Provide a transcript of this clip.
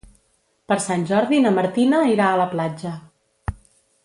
Per Sant Jordi na Martina irà a la platja.